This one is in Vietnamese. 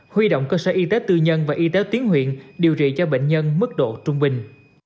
huy động cơ sở y tế tư nhân và y tế tuyến huyện điều trị cho bệnh nhân mức độ trung bình